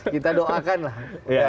kita doakan lah